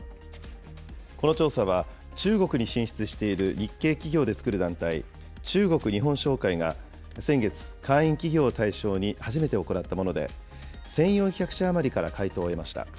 この調査は、中国に進出している日系企業で作る団体、中国日本商会が先月、会員企業を対象に初めて行ったもので、１４００社余りから回答を得ました。